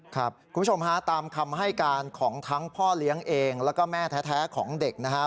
คุณผู้ชมฮะตามคำให้การของทั้งพ่อเลี้ยงเองแล้วก็แม่แท้ของเด็กนะฮะ